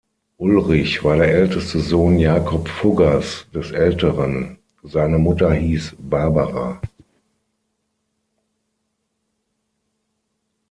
Ulrich war der älteste Sohn Jakob Fuggers des Älteren, seine Mutter hieß Barbara.